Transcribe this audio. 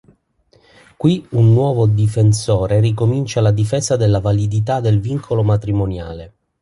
Qui un nuovo difensore ricomincia la difesa della validità del vincolo matrimoniale.